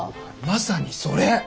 まさにそれ。